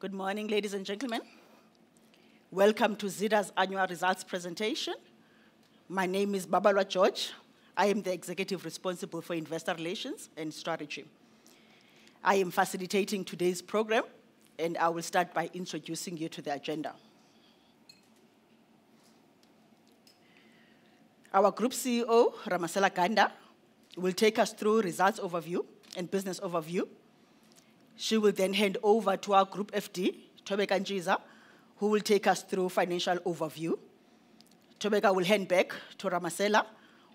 Good morning, ladies and gentlemen. Welcome to Zeda's annual results presentation. My name is Babalwa George. I am the Executive Responsible for Investor Relations and Strategy. I am facilitating today's program, and I will start by introducing you to the agenda. Our Group CEO, Ramasela Ganda, will take us through results overview and business overview. She will then hand over to our Group FD, Thobeka Ntshiza, who will take us through financial overview. Thobeka will hand back to Ramasela,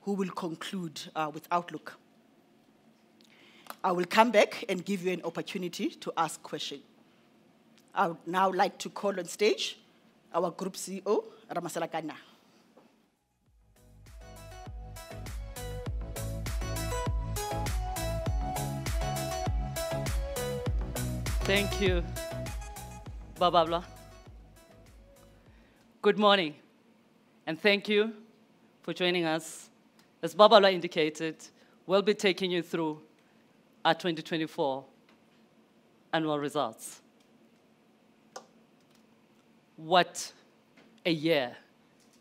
who will conclude with Outlook. I will come back and give you an opportunity to ask questions. I would now like to call on stage our Group CEO, Ramasela Ganda. Thank you, Babalwa. Good morning, and thank you for joining us. As Babalwa indicated, we'll be taking you through our 2024 annual results. What a year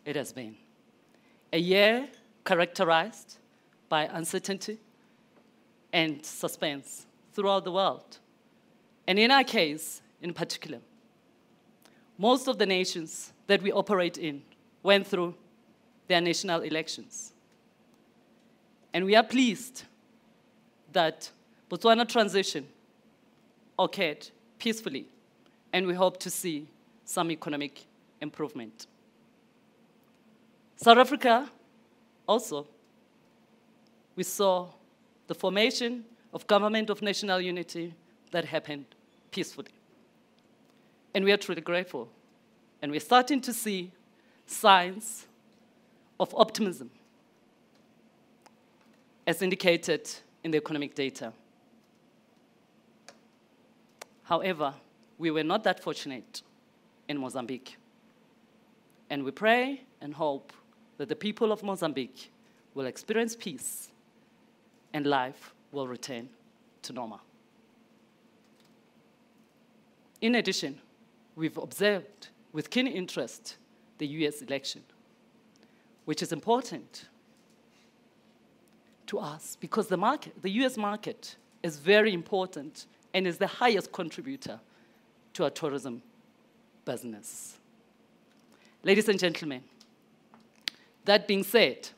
it has been. A year characterized by uncertainty and suspense throughout the world, and in our case in particular, most of the nations that we operate in went through their national elections, and we are pleased that Botswana's transition occurred peacefully, and we hope to see some economic improvement. South Africa also, we saw the formation of a Government of National Unity that happened peacefully, and we are truly grateful, and we're starting to see signs of optimism, as indicated in the economic data. However, we were not that fortunate in Mozambique, and we pray and hope that the people of Mozambique will experience peace and life will return to normal. In addition, we've observed with keen interest the U.S. election, which is important to us because the U.S. market is very important and is the highest contributor to our tourism business. Ladies and gentlemen, that being said,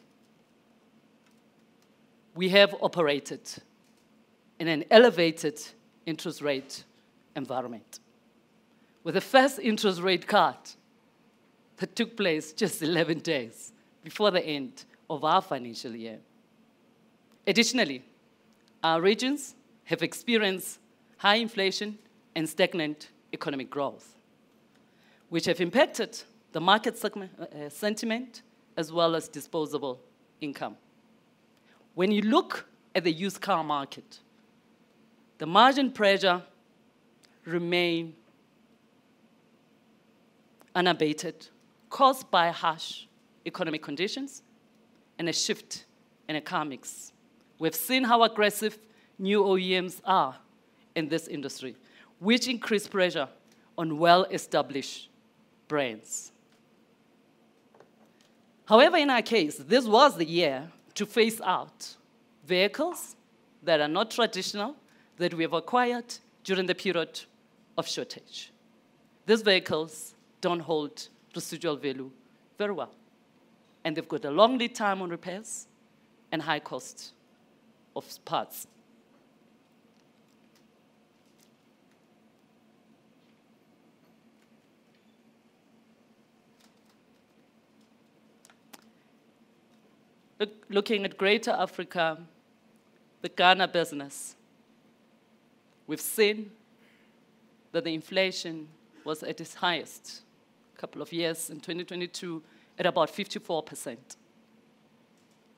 we have operated in an elevated interest rate environment, with the first interest rate cut that took place just 11 days before the end of our financial year. Additionally, our regions have experienced high inflation and stagnant economic growth, which have impacted the market sentiment as well as disposable income. When you look at the used car market, the margin pressure remains unabated, caused by harsh economic conditions and a shift in economics. We've seen how aggressive new OEMs are in this industry, which increases pressure on well-established brands. However, in our case, this was the year to phase out vehicles that are not traditional that we have acquired during the period of shortage. These vehicles don't hold residual value very well, and they've got a long lead time on repairs and high cost of parts. Looking at Greater Africa, the Ghana business, we've seen that the inflation was at its highest a couple of years in 2022 at about 54%,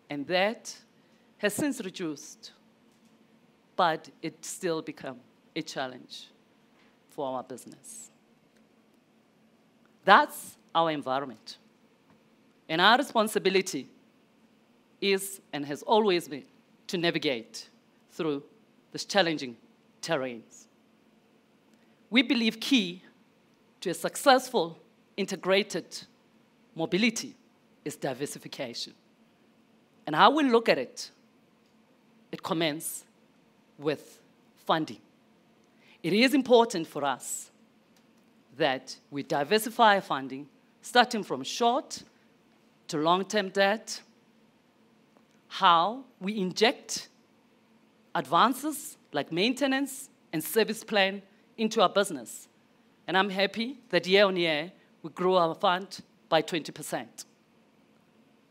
and that has since reduced, but it's still become a challenge for our business. That's our environment, and our responsibility is and has always been to navigate through these challenging terrains. We believe key to a successful integrated mobility is diversification, and how we look at it, it commences with funding. It is important for us that we diversify funding, starting from short to long-term debt, how we inject advances like maintenance and service plan into our business. I'm happy that year on year, we grew our fund by 20%.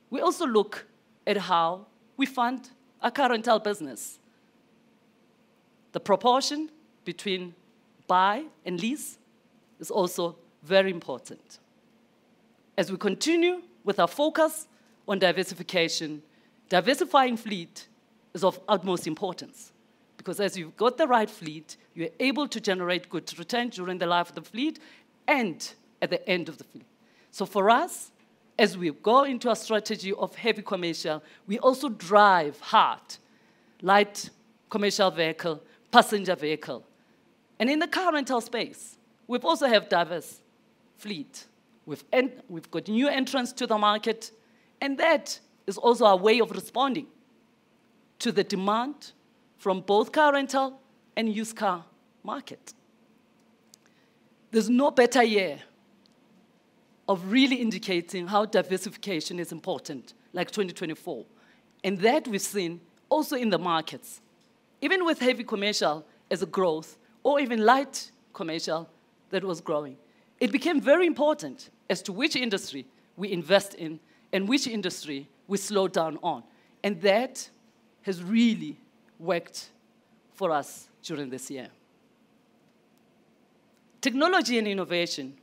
We also look at how we fund our current business. The proportion between buy and lease is also very important. As we continue with our focus on diversification, diversifying fleet is of utmost importance because as you've got the right fleet, you're able to generate good returns during the life of the fleet and at the end of the fleet. So for us, as we go into a strategy of heavy commercial, we also drive hard light commercial vehicle, passenger vehicle. And in the car rental space, we also have diverse fleet. We've got new entrants to the market, and that is also our way of responding to the demand from both car rental and used car market. There's no better year of really indicating how diversification is important, like 2024. That we've seen also in the markets, even with heavy commercial as a growth or even light commercial that was growing. It became very important as to which industry we invest in and which industry we slow down on. And that has really worked for us during this year. Technology and innovation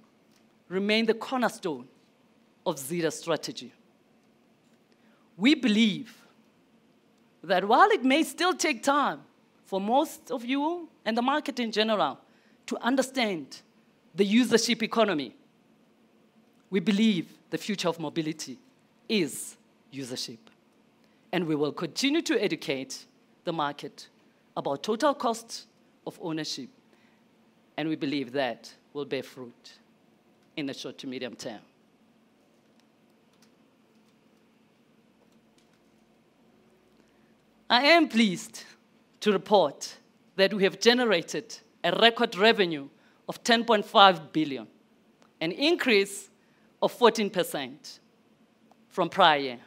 remain the cornerstone of Zeda's strategy. We believe that while it may still take time for most of you and the market in general to understand the usership economy, we believe the future of mobility is usership. And we will continue to educate the market about total cost of ownership, and we believe that will bear fruit in the short to medium term. I am pleased to report that we have generated a record revenue of 10.5 billion, an increase of 14% from prior year.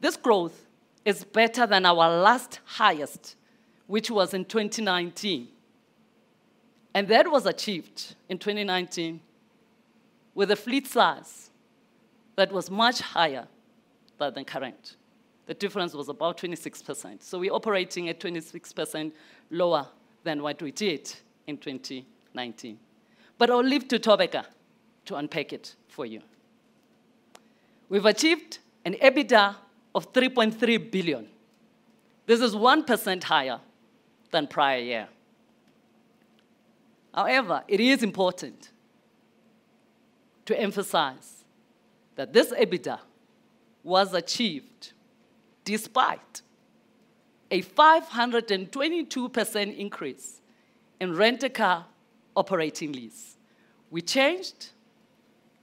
This growth is better than our last highest, which was in 2019. That was achieved in 2019 with a fleet size that was much higher than current. The difference was about 26%. So we're operating at 26% lower than what we did in 2019. But I'll leave to Thobeka to unpack it for you. We've achieved an EBITDA of 3.3 billion. This is 1% higher than prior year. However, it is important to emphasize that this EBITDA was achieved despite a 522% increase in rent-a-car operating lease. We changed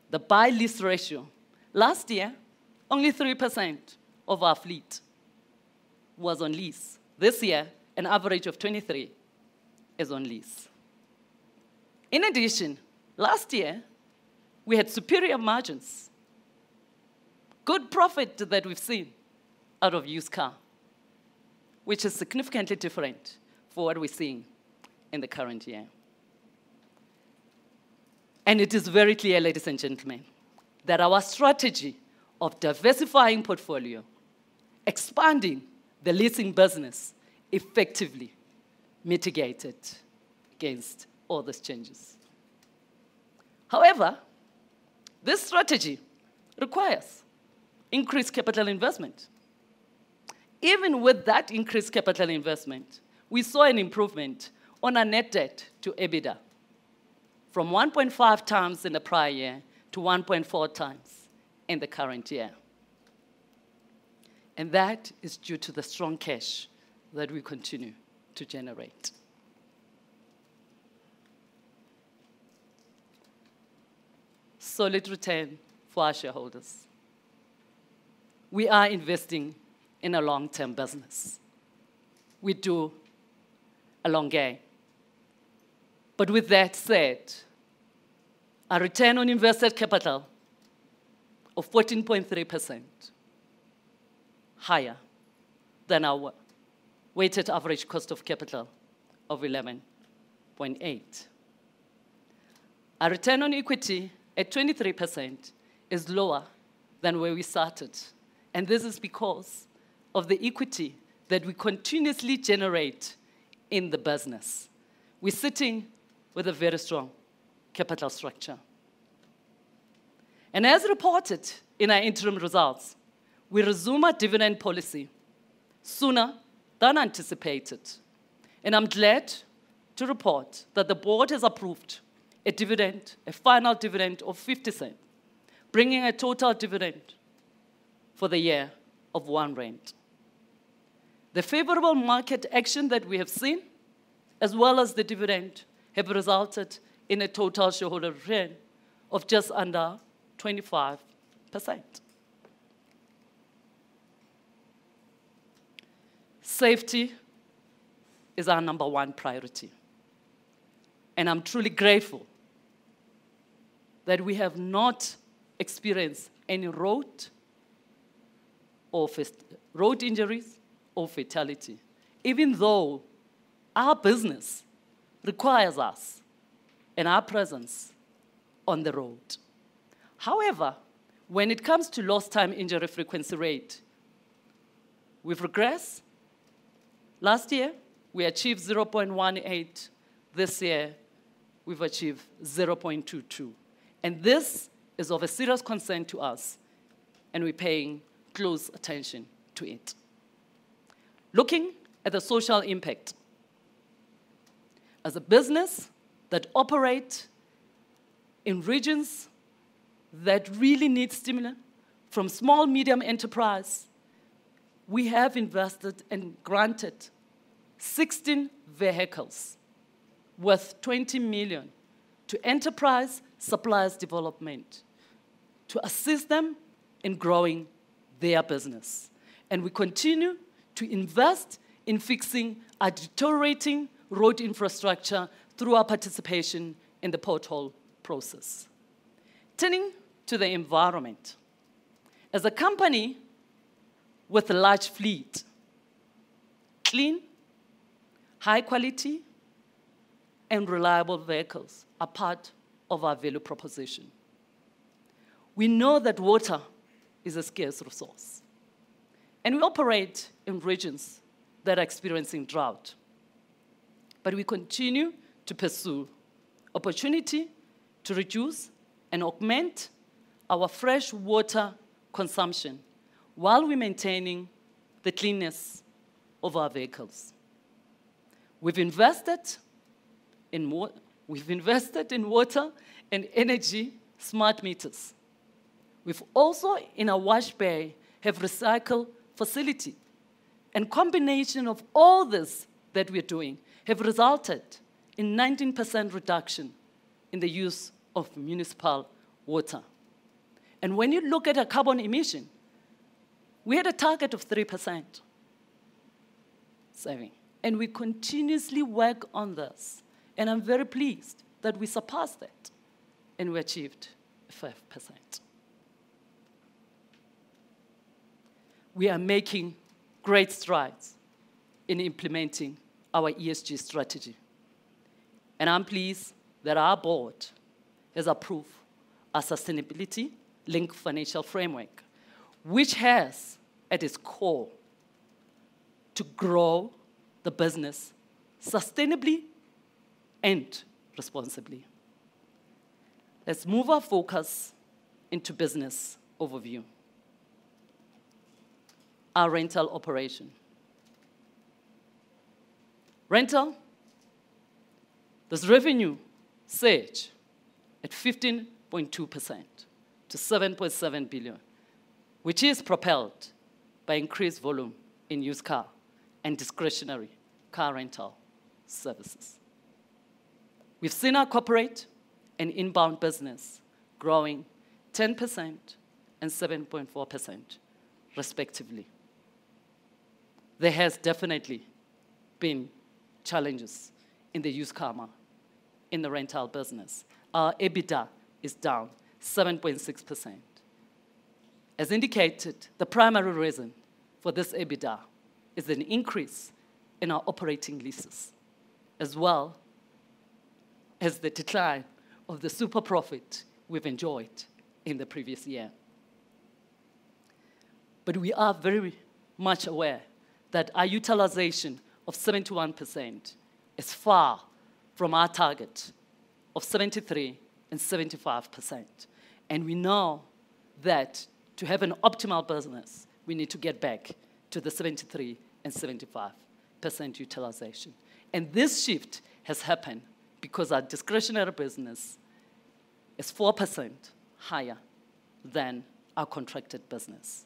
the buy-lease ratio. Last year, only 3% of our fleet was on lease. This year, an average of 23% is on lease. In addition, last year, we had superior margins, good profit that we've seen out of used car, which is significantly different from what we're seeing in the current year. It is very clear, ladies and gentlemen, that our strategy of diversifying portfolio, expanding the leasing business effectively mitigated against all these changes. However, this strategy requires increased capital investment. Even with that increased capital investment, we saw an improvement on our net debt to EBITDA from 1.5 times in the prior year to 1.4 times in the current year. That is due to the strong cash that we continue to generate. Solid return for our shareholders. We are investing in a long-term business. We do a long game. With that said, our return on invested capital of 14.3% is higher than our weighted average cost of capital of 11.8%. Our return on equity at 23% is lower than where we started, and this is because of the equity that we continuously generate in the business. We're sitting with a very strong capital structure. As reported in our interim results, we resume our dividend policy sooner than anticipated. I'm glad to report that the Board has approved a dividend, a final dividend of 50%, bringing a total dividend for the year of one Rand. The favorable market action that we have seen, as well as the dividend, have resulted in a total shareholder return of just under 25%. Safety is our number one priority. I'm truly grateful that we have not experienced any road or road injuries or fatalities, even though our business requires us and our presence on the road. However, when it comes to lost time injury frequency rate, we've regressed. Last year, we achieved 0.18. This year, we've achieved 0.22. This is of serious concern to us, and we're paying close attention to it. Looking at the social impact, as a business that operates in regions that really need stimulus from small-medium enterprise, we have invested and granted 16 vehicles worth 20 million to Enterprise Supplier Development to assist them in growing their business. And we continue to invest in fixing and deteriorating road infrastructure through our participation in the pothole process. Turning to the environment, as a company with a large fleet, clean, high-quality, and reliable vehicles are part of our value proposition. We know that water is a scarce resource, and we operate in regions that are experiencing drought. But we continue to pursue opportunity to reduce and augment our fresh water consumption while we're maintaining the cleanliness of our vehicles. We've invested in water and energy smart meters. We've also, in our wash bay, have recycled facilities. A combination of all this that we're doing has resulted in a 19% reduction in the use of municipal water. When you look at our carbon emission, we had a target of 3% saving. We continuously work on this, and I'm very pleased that we surpassed that and we achieved 5%. We are making great strides in implementing our ESG strategy. I'm pleased that our Board has approved our sustainability-linked financial framework, which has at its core to grow the business sustainably and responsibly. Let's move our focus into business overview. Our rental operation. Rental, there's revenue surge at 15.2% to 7.7 billion, which is propelled by increased volume in used car and discretionary car rental services. We've seen our corporate and inbound business growing 10% and 7.4%, respectively. There have definitely been challenges in the used car market in the rental business. Our EBITDA is down 7.6%. As indicated, the primary reason for this EBITDA is an increase in our operating leases, as well as the decline of the super profit we've enjoyed in the previous year. But we are very much aware that our utilization of 71% is far from our target of 73% and 75%. And we know that to have an optimal business, we need to get back to the 73% and 75% utilization. And this shift has happened because our discretionary business is 4% higher than our contracted business.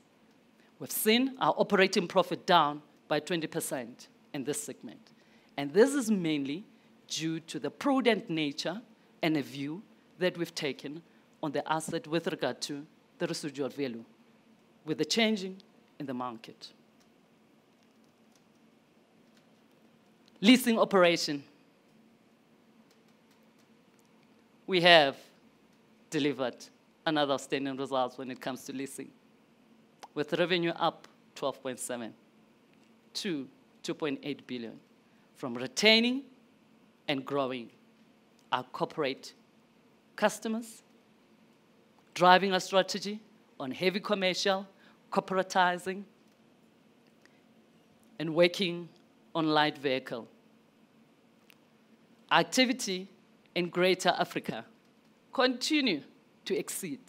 We've seen our operating profit down by 20% in this segment. And this is mainly due to the prudent nature and the view that we've taken on the asset with regard to the residual value with the changing in the market. Leasing operation. We have delivered another outstanding result when it comes to leasing, with revenue up 12.7% to 2.8 billion from retaining and growing our corporate customers, driving our strategy on heavy commercial, corporatizing, and working on light vehicle. Activity in Greater Africa continues to exceed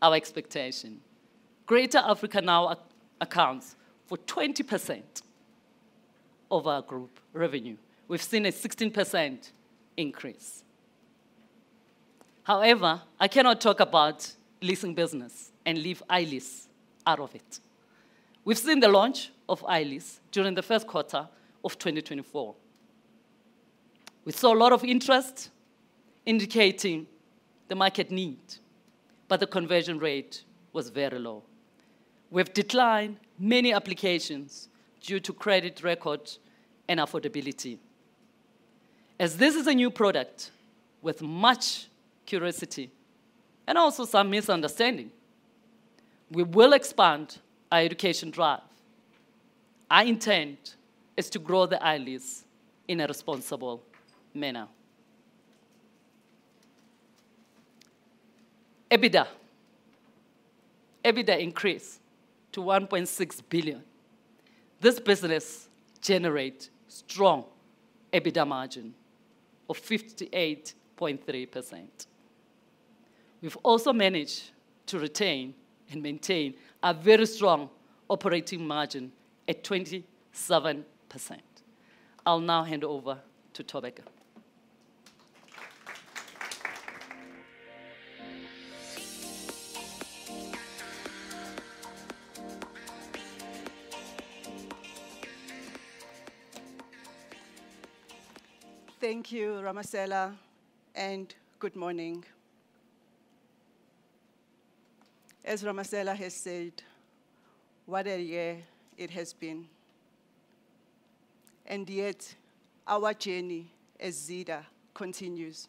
our expectation. Greater Africa now accounts for 20% of our group revenue. We've seen a 16% increase. However, I cannot talk about leasing business and leave iLease out of it. We've seen the launch of iLease during the first quarter of 2024. We saw a lot of interest indicating the market need, but the conversion rate was very low. We've declined many applications due to credit record and affordability. As this is a new product with much curiosity and also some misunderstanding, we will expand our education drive. Our intent is to grow the iLease in a responsible manner. EBITDA. EBITDA increased to 1.6 billion. This business generates a strong EBITDA margin of 58.3%. We've also managed to retain and maintain a very strong operating margin at 27%. I'll now hand over to Thobeka. Thank you, Ramasela, and good morning. As Ramasela has said, what a year it has been. Yet, our journey as Zeda continues,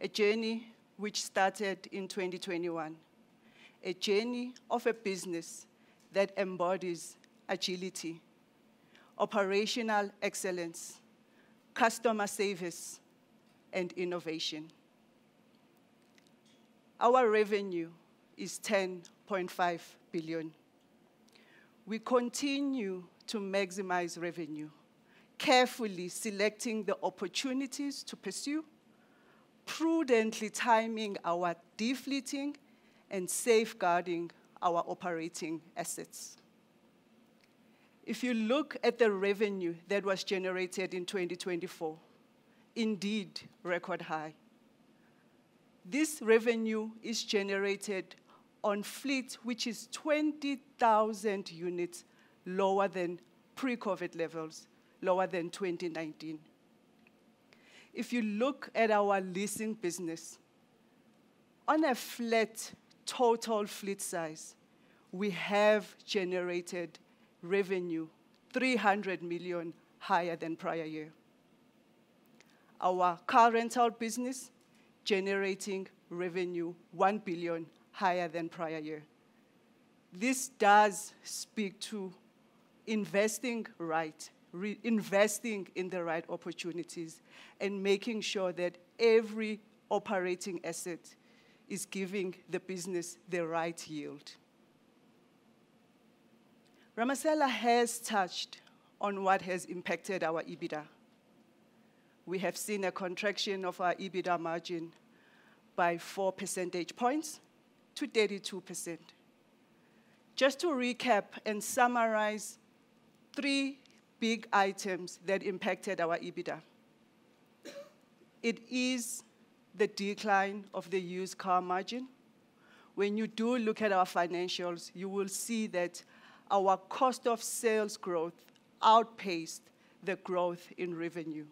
a journey which started in 2021, a journey of a business that embodies agility, operational excellence, customer service, and innovation. Our revenue is 10.5 billion. We continue to maximize revenue, carefully selecting the opportunities to pursue, prudently timing our deflating and safeguarding our operating assets. If you look at the revenue that was generated in 2024, indeed record high. This revenue is generated on fleet which is 20,000 units lower than pre-COVID levels, lower than 2019. If you look at our leasing business, on a flat total fleet size, we have generated revenue 300 million higher than prior year. Our car rental business is generating revenue 1 billion higher than prior year. This does speak to investing right, investing in the right opportunities, and making sure that every operating asset is giving the business the right yield. Ramasela has touched on what has impacted our EBITDA. We have seen a contraction of our EBITDA margin by 4 percentage points to 32%. Just to recap and summarize three big items that impacted our EBITDA. It is the decline of the used car margin. When you do look at our financials, you will see that our cost of sales growth outpaced the growth in revenue.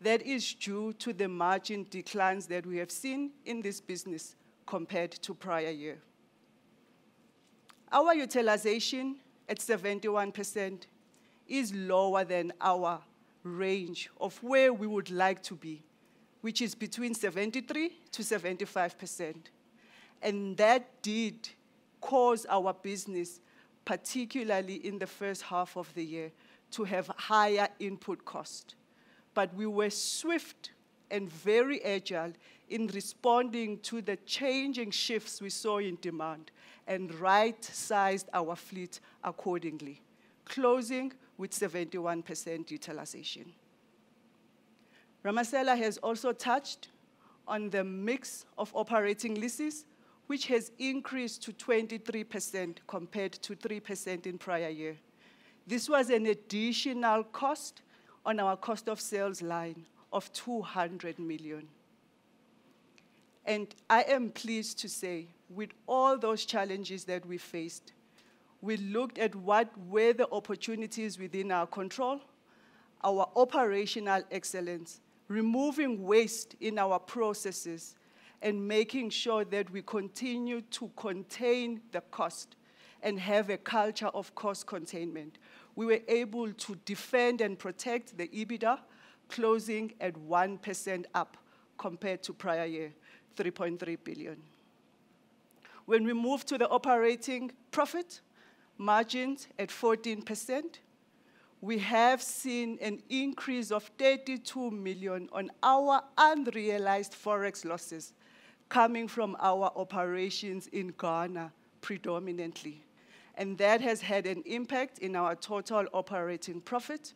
That is due to the margin declines that we have seen in this business compared to prior year. Our utilization at 71% is lower than our range of where we would like to be, which is between 73%-75%. And that did cause our business, particularly in the first half of the year, to have higher input costs. But we were swift and very agile in responding to the changing shifts we saw in demand and right-sized our fleet accordingly, closing with 71% utilization. Ramasela has also touched on the mix of operating leases, which has increased to 23% compared to 3% in prior year. This was an additional cost on our cost of sales line of 200 million. And I am pleased to say, with all those challenges that we faced, we looked at what were the opportunities within our control, our operational excellence, removing waste in our processes, and making sure that we continue to contain the cost and have a culture of cost containment. We were able to defend and protect the EBITDA, closing at 1% up compared to prior year, 3.3 billion. When we move to the operating profit margins at 14%, we have seen an increase of 32 million on our unrealized forex losses coming from our operations in Ghana predominantly. And that has had an impact on our total operating profit.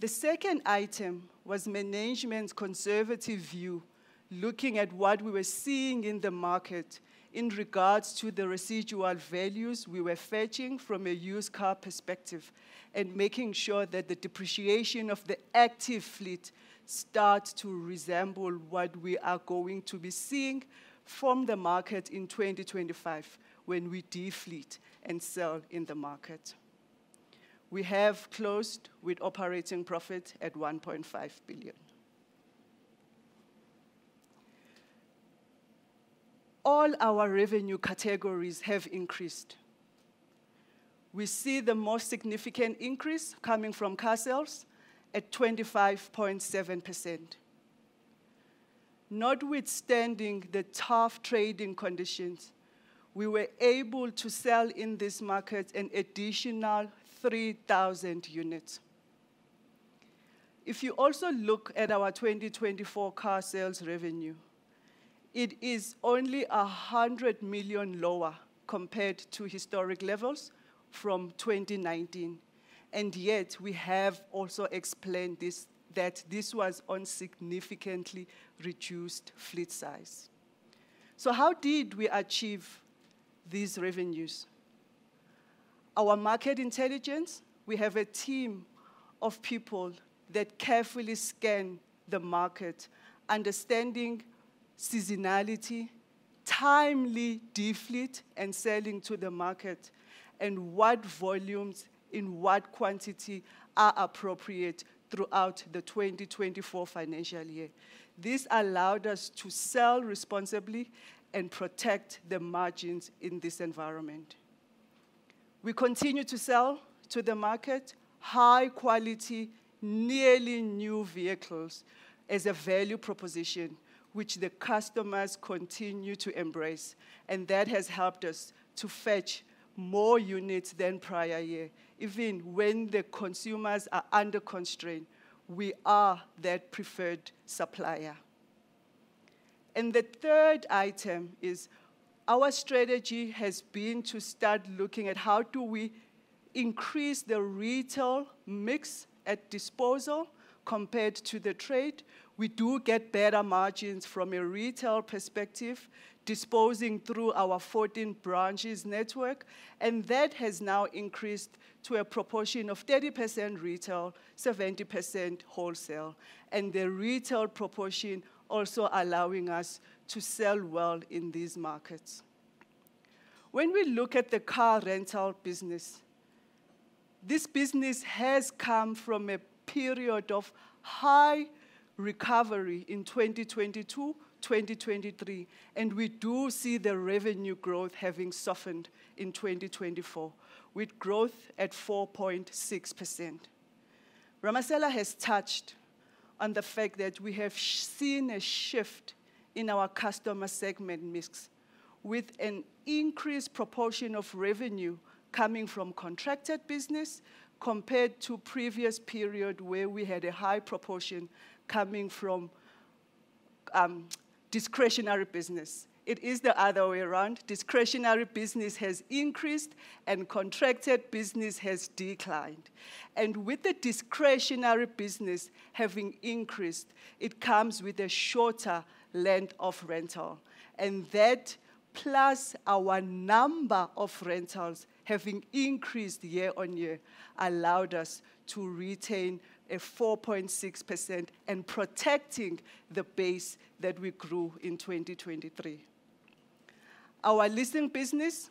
The second item was management's conservative view, looking at what we were seeing in the market in regards to the residual values we were fetching from a used car perspective and making sure that the depreciation of the active fleet starts to resemble what we are going to be seeing from the market in 2025 when we deflate and sell in the market. We have closed with operating profit at 1.5 billion. All our revenue categories have increased. We see the most significant increase coming from car sales at 25.7%. Notwithstanding the tough trading conditions, we were able to sell in this market an additional 3,000 units. If you also look at our 2024 car sales revenue, it is only 100 million lower compared to historic levels from 2019. And yet, we have also explained that this was on significantly reduced fleet size. So how did we achieve these revenues? Our market intelligence, we have a team of people that carefully scan the market, understanding seasonality, timely deflating and selling to the market, and what volumes in what quantity are appropriate throughout the 2024 financial year. This allowed us to sell responsibly and protect the margins in this environment. We continue to sell to the market high-quality, nearly new vehicles as a value proposition, which the customers continue to embrace. And that has helped us to fetch more units than prior year. Even when the consumers are under constraint, we are that preferred supplier. And the third item is our strategy has been to start looking at how do we increase the retail mix at disposal compared to the trade. We do get better margins from a retail perspective, disposing through our 14 branches network. And that has now increased to a proportion of 30% retail, 70% wholesale. And the retail proportion also allowing us to sell well in these markets. When we look at the car rental business, this business has come from a period of high recovery in 2022, 2023, and we do see the revenue growth having softened in 2024, with growth at 4.6%. Ramasela has touched on the fact that we have seen a shift in our customer segment mix, with an increased proportion of revenue coming from contracted business compared to the previous period where we had a high proportion coming from discretionary business. It is the other way around. Discretionary business has increased and contracted business has declined. And with the discretionary business having increased, it comes with a shorter length of rental. And that, plus our number of rentals having increased year on year, allowed us to retain a 4.6% and protecting the base that we grew in 2023. Our leasing business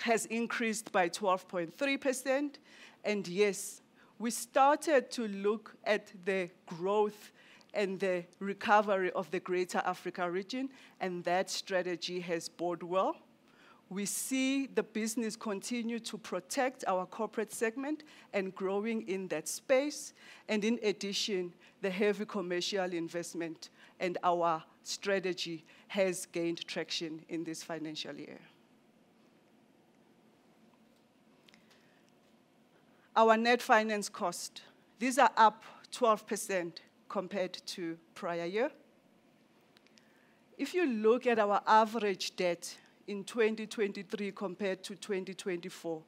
has increased by 12.3%. And yes, we started to look at the growth and the recovery of the Greater Africa region, and that strategy has borne well. We see the business continue to protect our corporate segment and growing in that space. In addition, the heavy commercial investment and our strategy has gained traction in this financial year. Our net finance cost, these are up 12% compared to prior year. If you look at our average debt in 2023 compared to 2024,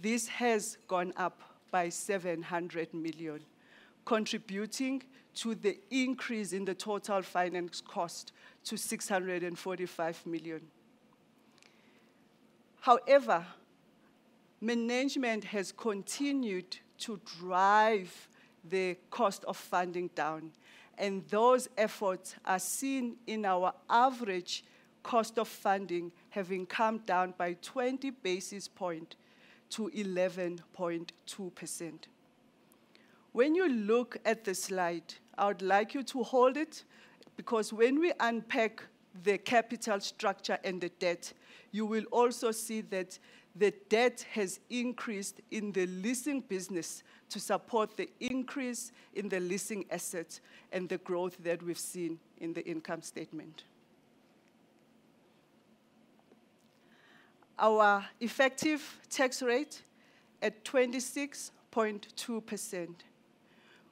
this has gone up by 700 million, contributing to the increase in the total finance cost to 645 million. However, management has continued to drive the cost of funding down, and those efforts are seen in our average cost of funding having come down by 20 basis points to 11.2%. When you look at the slide, I would like you to hold it because when we unpack the capital structure and the debt, you will also see that the debt has increased in the leasing business to support the increase in the leasing assets and the growth that we've seen in the income statement. Our effective tax rate at 26.2%.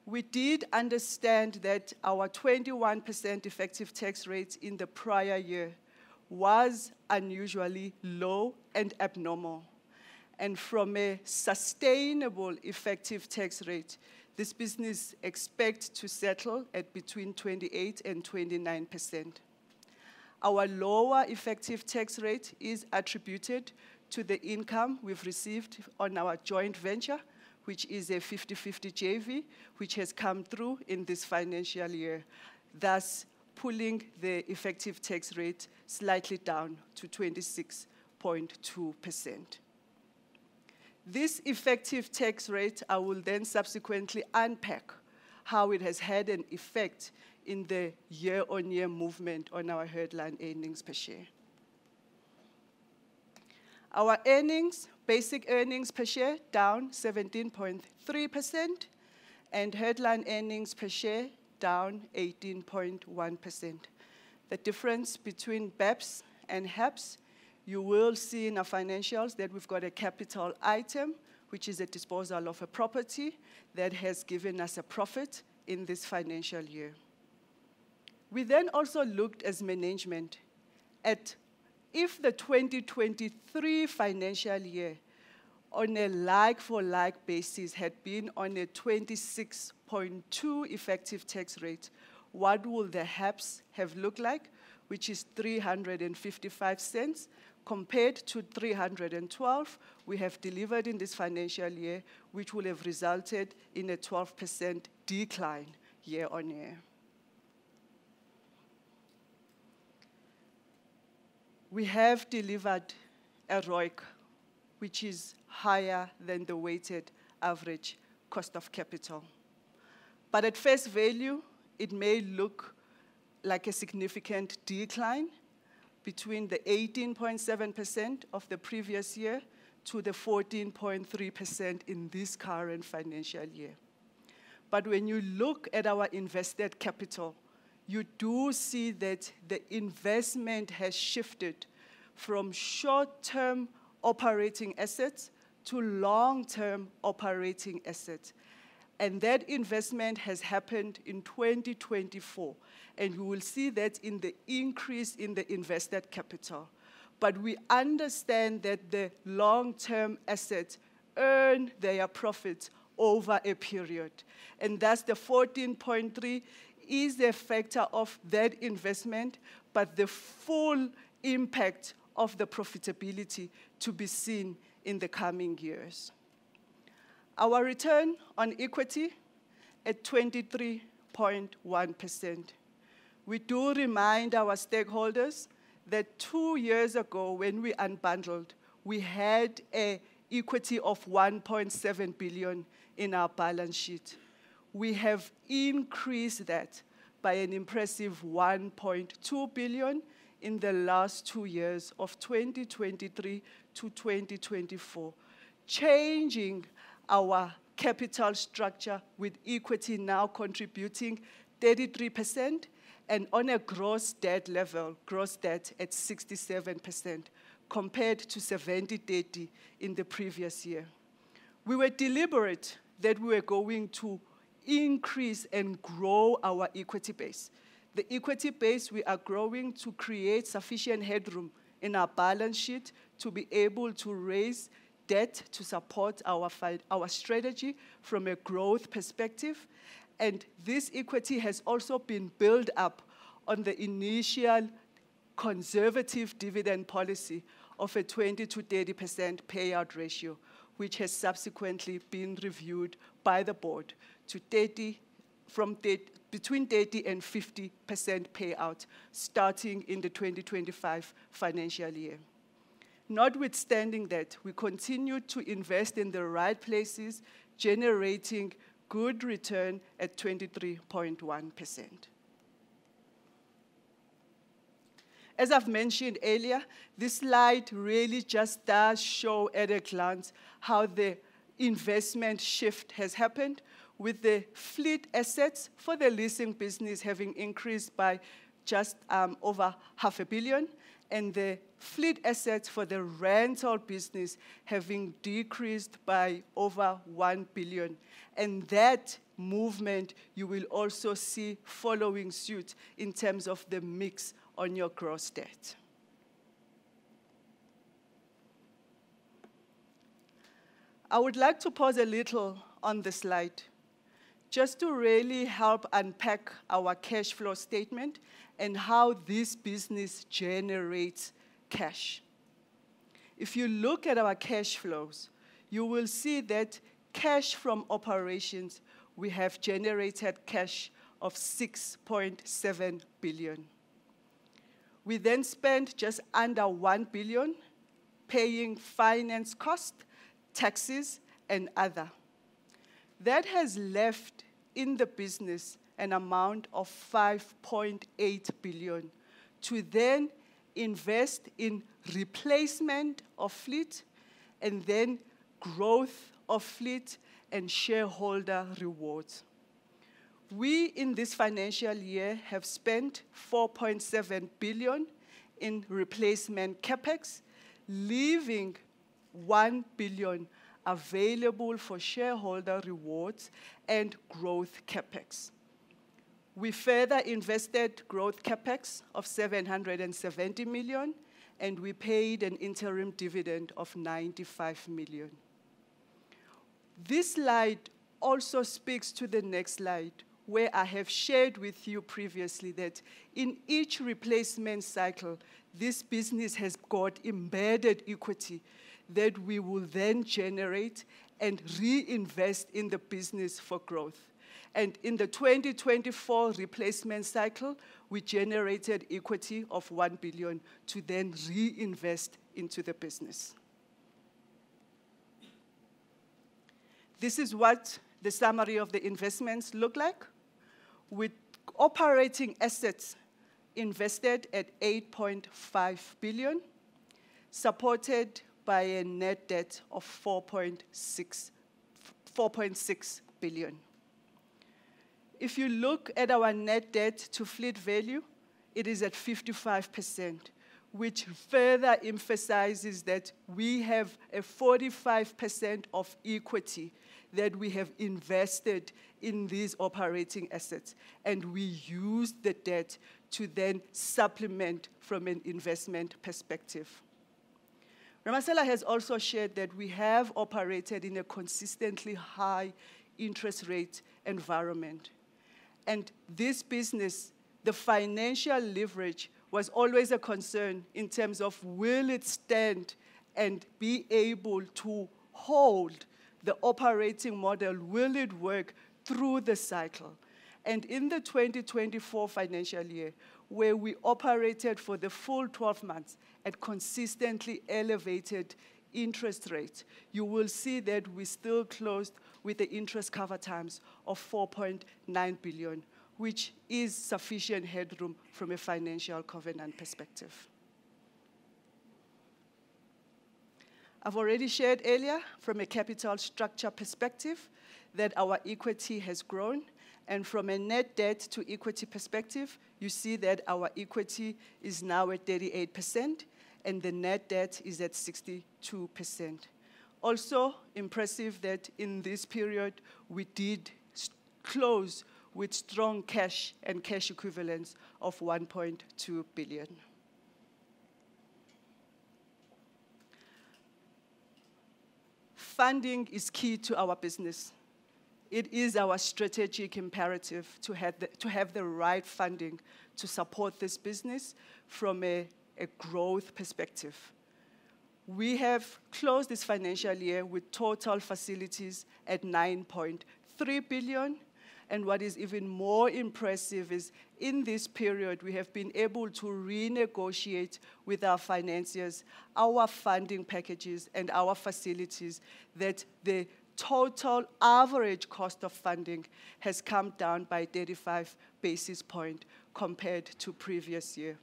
We did understand that our 21% effective tax rate in the prior year was unusually low and abnormal, and from a sustainable effective tax rate, this business expects to settle at between 28% and 29%. Our lower effective tax rate is attributed to the income we've received on our joint venture, which is a 50/50 JV, which has come through in this financial year, thus pulling the effective tax rate slightly down to 26.2%. This effective tax rate, I will then subsequently unpack how it has had an effect in the year-on-year movement on our headline earnings per share. Our earnings, basic earnings per share, down 17.3%, and headline earnings per share down 18.1%. The difference between BEPS and HEPS, you will see in our financials that we've got a capital item, which is a disposal of a property that has given us a profit in this financial year. We then also looked as management at if the 2023 financial year on a like-for-like basis had been on a 26.2% effective tax rate, what will the HEPS have looked like, which is 0.355 compared to 0.312 we have delivered in this financial year, which will have resulted in a 12% decline year on year. We have delivered a ROIC, which is higher than the weighted average cost of capital. But at face value, it may look like a significant decline between the 18.7% of the previous year to the 14.3% in this current financial year. When you look at our invested capital, you do see that the investment has shifted from short-term operating assets to long-term operating assets. That investment has happened in 2024, and you will see that in the increase in the invested capital. We understand that the long-term assets earn their profits over a period. Thus the 14.3% is a factor of that investment, but the full impact of the profitability to be seen in the coming years. Our return on equity at 23.1%. We do remind our stakeholders that two years ago when we unbundled, we had an equity of 1.7 billion in our balance sheet. We have increased that by an impressive 1.2 billion in the last two years of 2023 to 2024, changing our capital structure with equity now contributing 33% and on a gross debt level, gross debt at 67% compared to 70%-30% in the previous year. We were deliberate that we were going to increase and grow our equity base. The equity base we are growing to create sufficient headroom in our balance sheet to be able to raise debt to support our strategy from a growth perspective. And this equity has also been built up on the initial conservative dividend policy of a 20% to 30% payout ratio, which has subsequently been reviewed by the Board to 30% from between 30% and 50% payout starting in the 2025 financial year. Notwithstanding that, we continue to invest in the right places, generating good return at 23.1%. As I've mentioned earlier, this slide really just does show at a glance how the investment shift has happened, with the fleet assets for the leasing business having increased by just over 500 million and the fleet assets for the rental business having decreased by over 1 billion, and that movement you will also see following suit in terms of the mix on your gross debt. I would like to pause a little on the slide just to really help unpack our cash flow statement and how this business generates cash. If you look at our cash flows, you will see that cash from operations, we have generated cash of 6.7 billion. We then spend just under 1 billion paying finance costs, taxes, and other. That has left in the business an amount of 5.8 billion to then invest in replacement of fleet and then growth of fleet and shareholder rewards. We in this financial year have spent 4.7 billion in replacement CapEx, leaving one billion available for shareholder rewards and growth CapEx. We further invested growth CapEx of 770 million, and we paid an interim dividend of 95 million. This slide also speaks to the next slide where I have shared with you previously that in each replacement cycle, this business has got embedded equity that we will then generate and reinvest in the business for growth, and in the 2024 replacement cycle, we generated equity of one billion to then reinvest into the business. This is what the summary of the investments look like. With operating assets invested at 8.5 billion, supported by a net debt of 4.6 billion. If you look at our net debt to fleet value, it is at 55%, which further emphasizes that we have a 45% of equity that we have invested in these operating assets, and we use the debt to then supplement from an investment perspective. Ramasela has also shared that we have operated in a consistently high interest rate environment, and this business, the financial leverage was always a concern in terms of will it stand and be able to hold the operating model, will it work through the cycle, and in the 2024 financial year, where we operated for the full 12 months at consistently elevated interest rates, you will see that we still closed with the interest cover times of 4.9 billion, which is sufficient headroom from a financial covenant perspective. I've already shared earlier from a capital structure perspective that our equity has grown. And from a net debt to equity perspective, you see that our equity is now at 38% and the net debt is at 62%. Also impressive that in this period, we did close with strong cash and cash equivalents of 1.2 billion. Funding is key to our business. It is our strategic imperative to have the right funding to support this business from a growth perspective. We have closed this financial year with total facilities at 9.3 billion. And what is even more impressive is in this period, we have been able to renegotiate with our financiers, our funding packages, and our facilities that the total average cost of funding has come down by 35 basis points compared to previous year.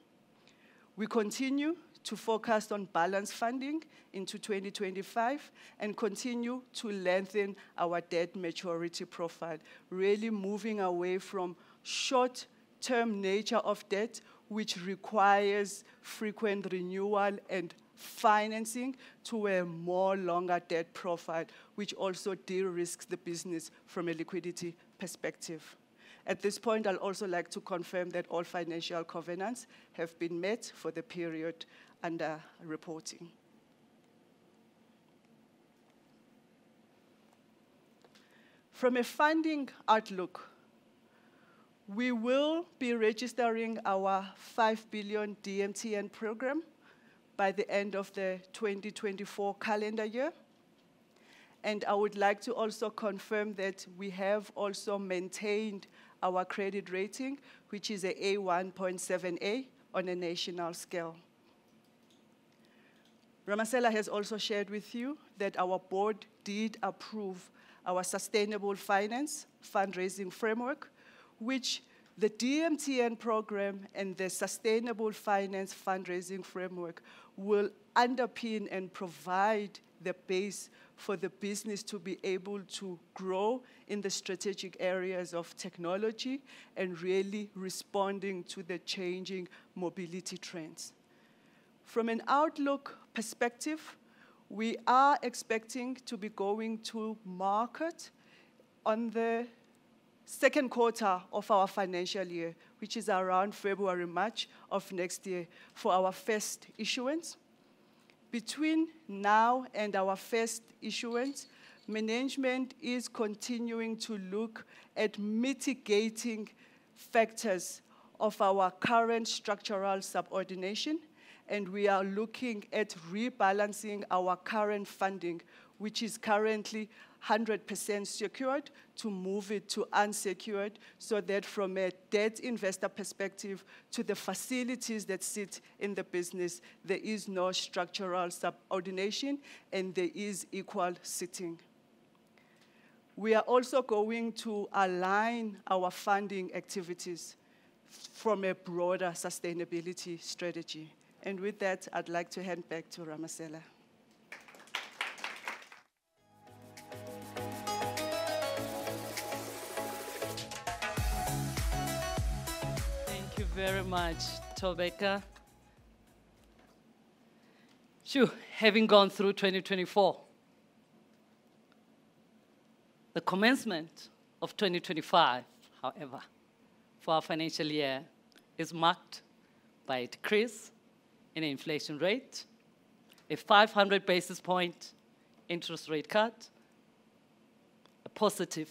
We continue to focus on balance funding into 2025 and continue to lengthen our debt maturity profile, really moving away from short-term nature of debt, which requires frequent renewal and financing to a more longer debt profile, which also de-risks the business from a liquidity perspective. At this point, I'd also like to confirm that all financial covenants have been met for the period under reporting. From a funding outlook, we will be registering our 5 billion DMTN Programme by the end of the 2024 calendar year. I would like to also confirm that we have also maintained our credit rating, which is an A1(ZA) on a national scale. Ramasela has also shared with you that our Board did approve our Sustainable Finance Fundraising Framework, which the DMTN Programme and the Sustainable Finance Fundraising Framework will underpin and provide the base for the business to be able to grow in the strategic areas of technology and really responding to the changing mobility trends. From an outlook perspective, we are expecting to be going to market on the second quarter of our financial year, which is around February-March of next year for our first issuance. Between now and our first issuance, management is continuing to look at mitigating factors of our current structural subordination, and we are looking at rebalancing our current funding, which is currently 100% secured, to move it to unsecured so that from a debt investor perspective to the facilities that sit in the business, there is no structural subordination and there is equal sitting. We are also going to align our funding activities from a broader sustainability strategy. And with that, I'd like to hand back to Ramasela. Thank you very much, Thobeka. Shoo, having gone through 2024, the commencement of 2025, however, for our financial year is marked by a decrease in inflation rate, a 500 basis point interest rate cut, a positive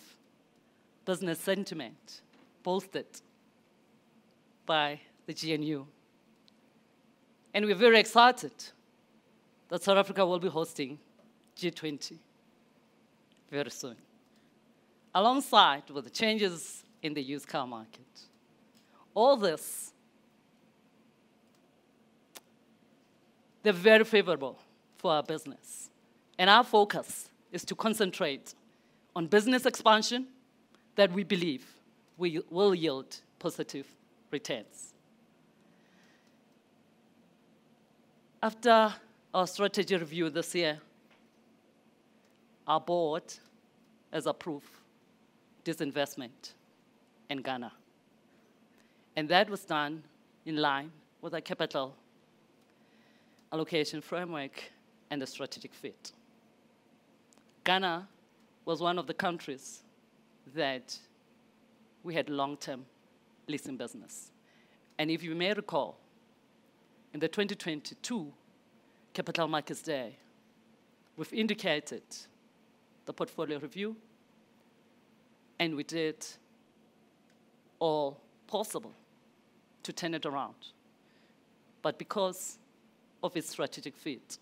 business sentiment bolstered by the GNU. And we're very excited that South Africa will be hosting G20 very soon, alongside with the changes in the U.S. car market. All this, they're very favorable for our business. And our focus is to concentrate on business expansion that we believe will yield positive returns. After our strategy review this year, our Board has approved this investment in Ghana. And that was done in line with our capital allocation framework and the strategic fit. Ghana was one of the countries that we had long-term leasing business. And if you may recall, in the 2022 Capital Markets Day, we've indicated the portfolio review, and we did all possible to turn it around. But because of its strategic fit,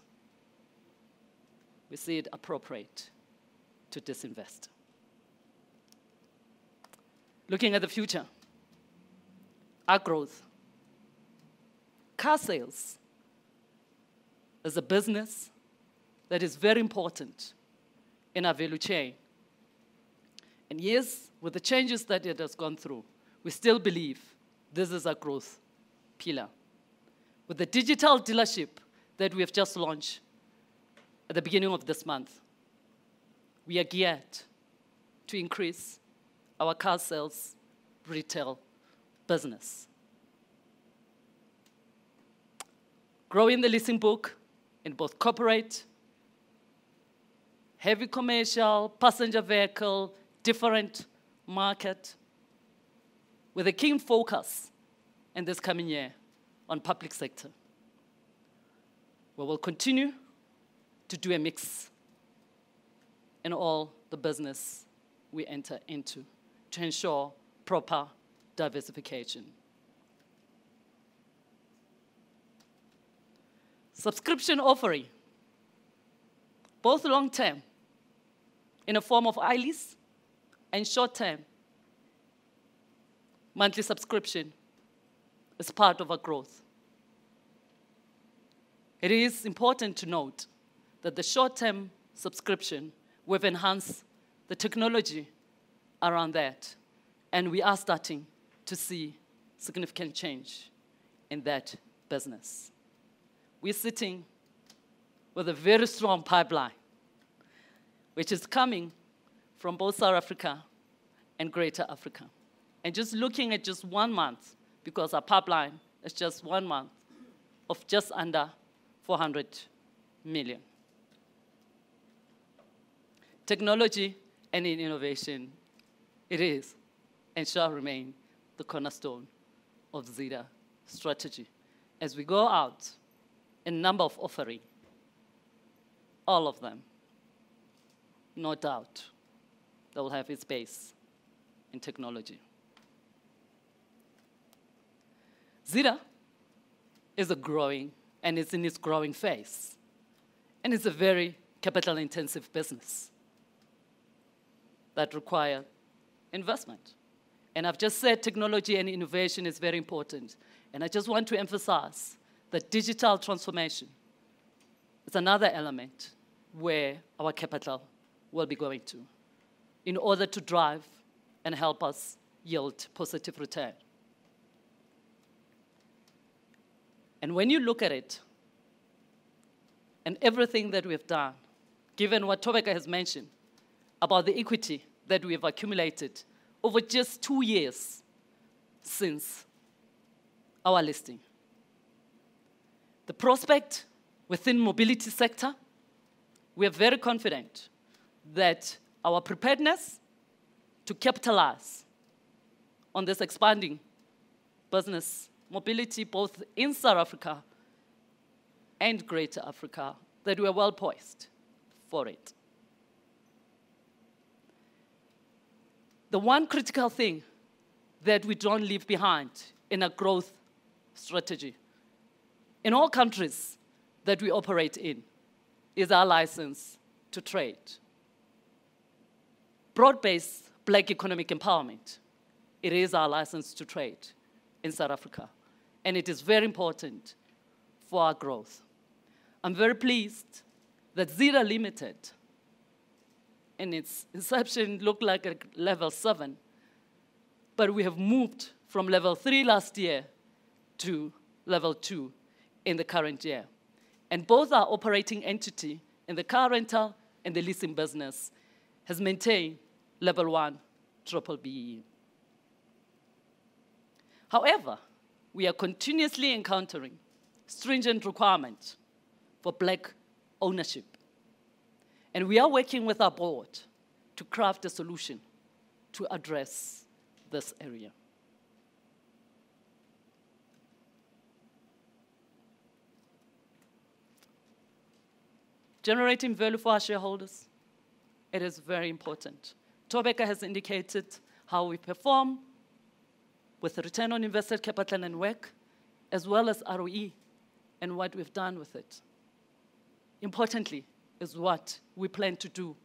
we see it appropriate to disinvest. Looking at the future, our growth, car sales as a business that is very important in our value chain. And yes, with the changes that it has gone through, we still believe this is a growth pillar. With the Digital Dealership that we have just launched at the beginning of this month, we are geared to increase our car sales retail business. Growing the leasing book in both corporate, heavy commercial, passenger vehicle, different market, with a keen focus in this coming year on public sector. We will continue to do a mix in all the business we enter into to ensure proper diversification. Subscription offering, both long-term in the form of iLease and short-term monthly subscription as part of our growth. It is important to note that the short-term subscription will enhance the technology around that, and we are starting to see significant change in that business. We're sitting with a very strong pipeline, which is coming from both South Africa and Greater Africa. And just looking at just one month, because our pipeline is just one month of just under 400 million. Technology and innovation, it is and shall remain the cornerstone of Zeda strategy. As we go out, a number of offering, all of them, no doubt that will have its base in technology. Zeda is a growing and is in its growing phase. It's a very capital-intensive business that requires investment. I've just said technology and innovation is very important. I just want to emphasize that digital transformation is another element where our capital will be going to in order to drive and help us yield positive return. When you look at it and everything that we have done, given what Thobeka has mentioned about the equity that we have accumulated over just two years since our listing, the prospect within the mobility sector, we are very confident that our preparedness to capitalize on this expanding business mobility, both in South Africa and Greater Africa, that we are well poised for it. The one critical thing that we don't leave behind in our growth strategy in all countries that we operate in is our license to trade. Broad-Based Black Economic Empowerment, it is our license to trade in South Africa, and it is very important for our growth. I'm very pleased that Zeda Limited, in its inception, looked like a Level 7, but we have moved from Level 3 last year to Level 2 in the current year. Both our operating entity in the car rental and the leasing business has maintained Level 1 B-BBEE. However, we are continuously encountering stringent requirements for black ownership. We are working with our Board to craft a solution to address this area. Generating value for our shareholders, it is very important. Thobeka has indicated how we perform with return on invested capital and WACC, as well as ROE and what we've done with it. Importantly, what we plan to do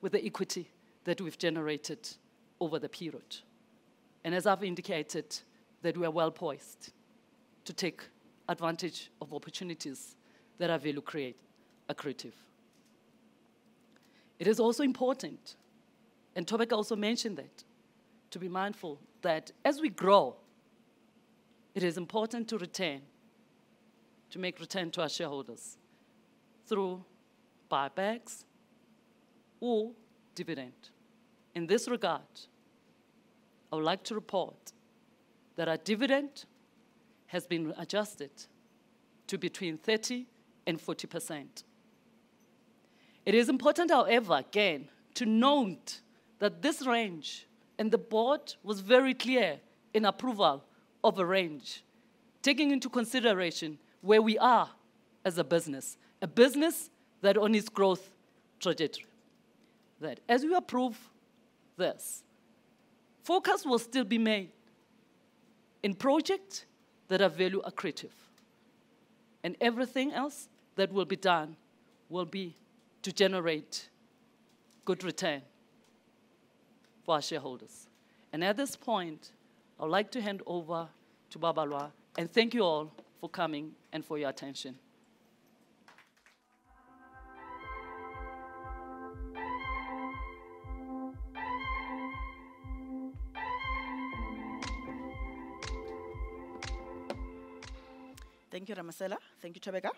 with the equity that we've generated over the period. As I've indicated, that we are well poised to take advantage of opportunities that are value-created accretive. It is also important, and Thobeka also mentioned that, to be mindful that as we grow, it is important to return, to make return to our shareholders through buybacks or dividend. In this regard, I would like to report that our dividend has been adjusted to between 30% and 40%. It is important, however, again, to note that this range and the Board was very clear in approval of a range, taking into consideration where we are as a business, a business that is on its growth trajectory. That as we approve this, focus will still be made in projects that are value-accretive. Everything else that will be done will be to generate good return for our shareholders. At this point, I would like to hand over to Babalwa and thank you all for coming and for your attention. Thank you, Ramasela. Thank you, Thobeka.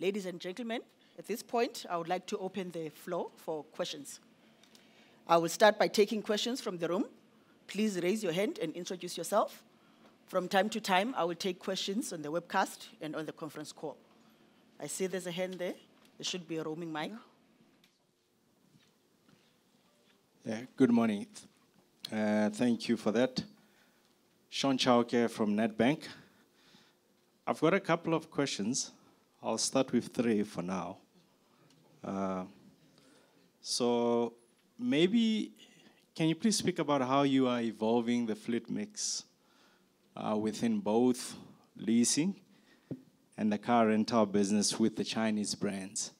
Ladies and gentlemen, at this point, I would like to open the floor for questions. I will start by taking questions from the room. Please raise your hand and introduce yourself. From time to time, I will take questions on the webcast and on the conference call. I see there's a hand there. There should be a roaming mic. Yeah, good morning. Thank you for that. Shaun Chauke from Nedbank. I've got a couple of questions. I'll start with three for now. So maybe, can you please speak about how you are evolving the fleet mix within both leasing and the car rental business with the Chinese brands?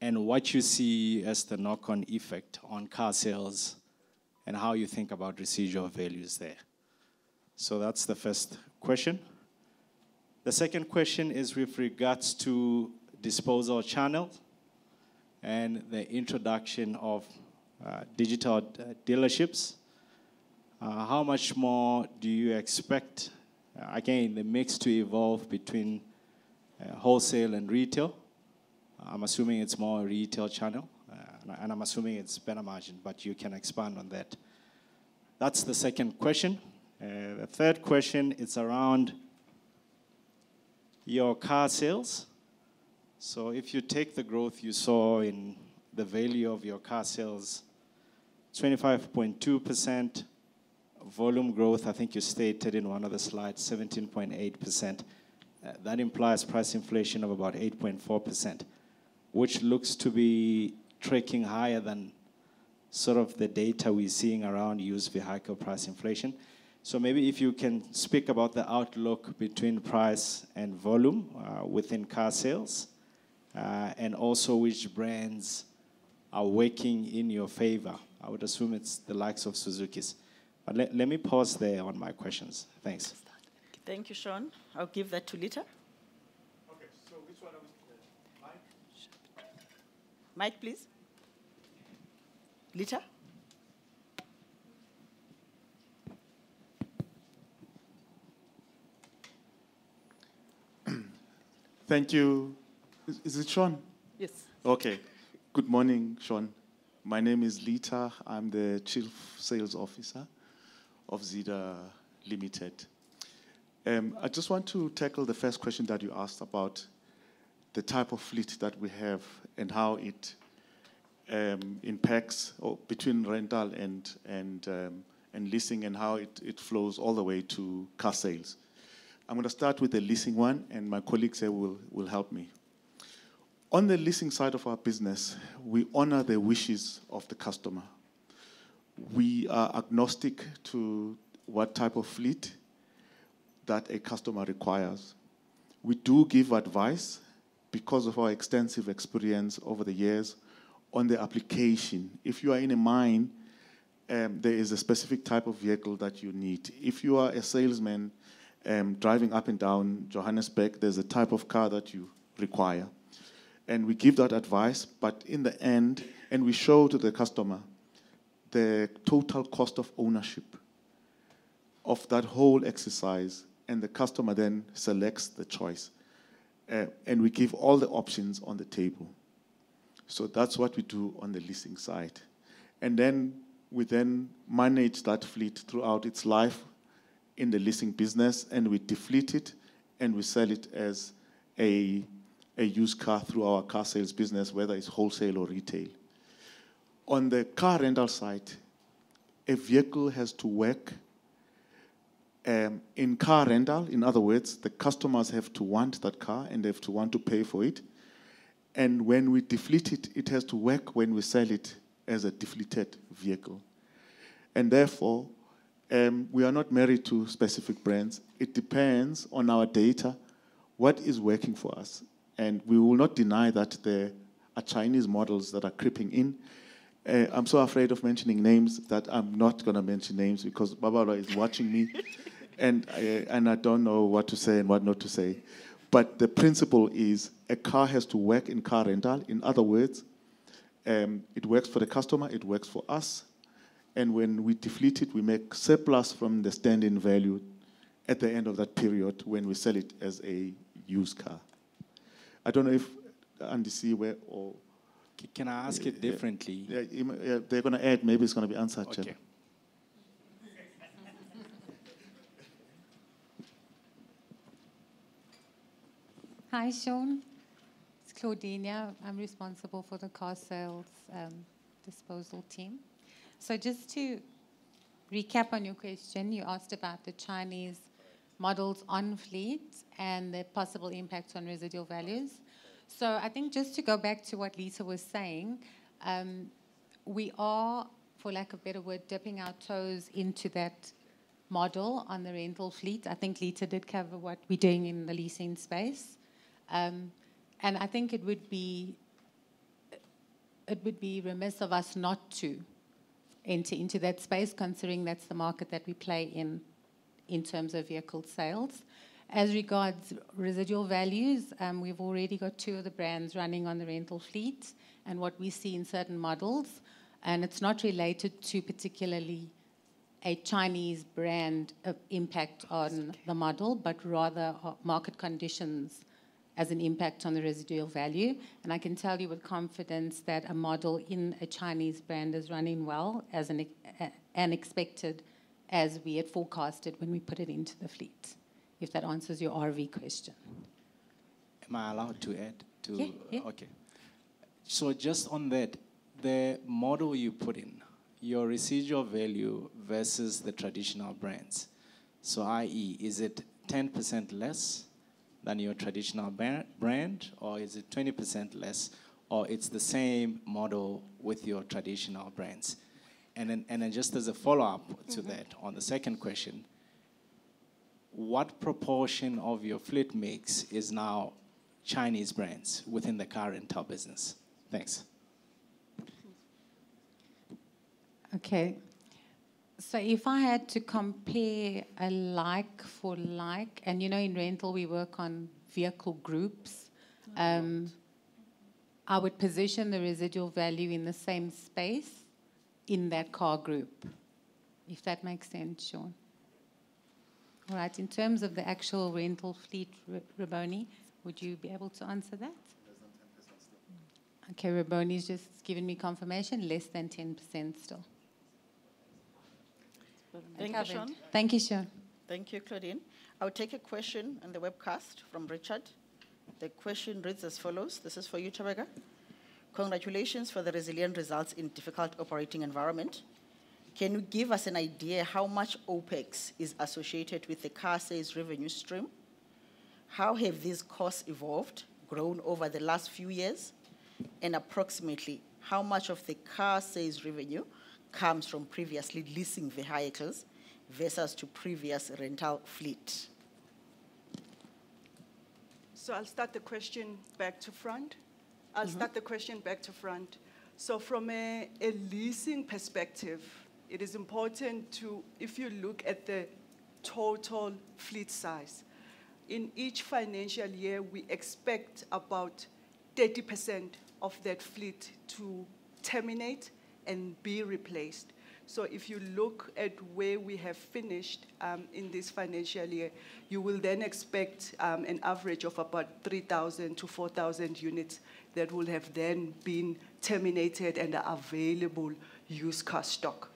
What you see as the knock-on effect on car sales and how you think about residual values there. So that's the first question. The second question is with regards to disposal channel and the introduction of digital dealerships. How much more do you expect, again, the mix to evolve between wholesale and retail? I'm assuming it's more retail channel, and I'm assuming it's better margin, but you can expand on that. That's the second question. The third question is around your car sales. So if you take the growth you saw in the value of your car sales, 25.2% volume growth, I think you stated in one of the slides, 17.8%. That implies price inflation of about 8.4%, which looks to be tracking higher than sort of the data we're seeing around used vehicle hyper price inflation. So maybe if you can speak about the outlook between price and volume within car sales and also which brands are working in your favor. I would assume it's the likes of Suzukis. But let me pause there on my questions. Thanks. Thank you, Shaun. I'll give that to Litha. Okay, so which one? Mic? Mic, please. Litha? Thank you. Is it Shaun? Yes. Okay. Good morning, Shaun. My name is Litha. I'm the Chief Sales Officer of Zeda Limited. I just want to tackle the first question that you asked about the type of fleet that we have and how it impacts between rental and leasing and how it flows all the way to car sales. I'm going to start with the leasing one, and my colleagues here will help me. On the leasing side of our business, we honor the wishes of the customer. We are agnostic to what type of fleet that a customer requires. We do give advice because of our extensive experience over the years on the application. If you are in a mine, there is a specific type of vehicle that you need. If you are a salesman driving up and down Johannesburg, there's a type of car that you require. And we give that advice, but in the end, and we show to the customer the total cost of ownership of that whole exercise, and the customer then selects the choice. And we give all the options on the table. So that's what we do on the leasing side. And then we then manage that fleet throughout its life in the leasing business, and we deflate it, and we sell it as a used car through our car sales business, whether it's wholesale or retail. On the car rental side, a vehicle has to work in car rental. In other words, the customers have to want that car, and they have to want to pay for it. And when we deflate it, it has to work when we sell it as a deflated vehicle. And therefore, we are not married to specific brands. It depends on our data what is working for us. And we will not deny that there are Chinese models that are creeping in. I'm so afraid of mentioning names that I'm not going to mention names because Babalwa is watching me, and I don't know what to say and what not to say. But the principle is a car has to work in car rental. In other words, it works for the customer, it works for us. When we deflate it, we make surplus from the residual value at the end of that period when we sell it as a used car. Can I ask it differently? Yeah, they're going to add, maybe it's going to be answered too. Okay. Hi, Shaun. It's Claudine. Yeah, I'm responsible for the car sales disposal team. So just to recap on your question, you asked about the Chinese models on fleet and the possible impact on residual values. So I think just to go back to what Litha was saying, we are, for lack of better word, dipping our toes into that model on the rental fleet. I think Litha did cover what we're doing in the leasing space. And I think it would be remiss of us not to enter into that space, considering that's the market that we play in in terms of vehicle sales. As regards residual values, we've already got two of the brands running on the rental fleet and what we see in certain models. And it's not related to particularly a Chinese brand impact on the model, but rather market conditions as an impact on the residual value. And I can tell you with confidence that a model in a Chinese brand is running well as was expected as we had forecasted when we put it into the fleet, if that answers your RV question. Am I allowed to add to? Yes. Okay. So just on that, the model you put in, your residual value versus the traditional brands. So, i.e., is it 10% less than your traditional brand, or is it 20% less, or it's the same model with your traditional brands? And then just as a follow-up to that on the second question, what proportion of your fleet mix is now Chinese brands within the car rental business? Thanks. Okay. So if I had to compare a like for like, and you know in rental we work on vehicle groups, I would position the residual value in the same space in that car group, if that makes sense, Shaun. All right, in terms of the actual rental fleet, Rebone, would you be able to answer that? Less than 10% still. Okay, Rebone's just giving me confirmation, less than 10% still. Thank you, Shaun. Thank you, Shaun. Thank you, Claudine. I'll take a question on the webcast from Richard. The question reads as follows. This is for you, Thobeka. Congratulations for the resilient results in difficult operating environment. Can you give us an idea how much OpEx is associated with the car sales revenue stream? How have these costs evolved, grown over the last few years, and approximately how much of the car sales revenue comes from previously leasing vehicles versus to previous rental fleet? So I'll start the question back to front. So from a leasing perspective, it is important to, if you look at the total fleet size, in each financial year, we expect about 30% of that fleet to terminate and be replaced. So if you look at where we have finished in this financial year, you will then expect an average of about 3,000-4,000 units that will have then been terminated and are available used car stock.